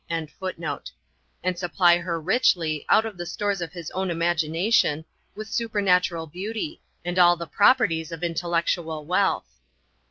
] and supply her richly, out of the stores of his own imagination, with supernatural beauty, and all the properties of intellectual wealth.